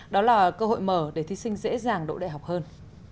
đó là cơ hội mở để thí sinh dễ dàng độ đại học hơn